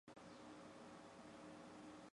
格罗沙语是一种基于语义的国际辅助语。